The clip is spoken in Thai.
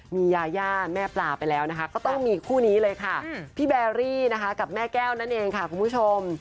มียาย่าแม่ปลาไปแล้วนะคะก็ต้องมีคู่นี้เลยค่ะพี่แบรี่นะคะกับแม่แก้วนั่นเองค่ะคุณผู้ชม